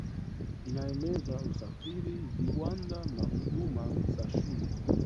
inaelezwa usafiri viwanda na huduma za shule